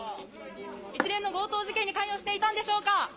一連の強盗事件に関与していたんでしょうか。